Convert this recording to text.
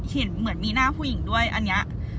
เหมือนมีหน้าผู้หญิงด้วยอันนี้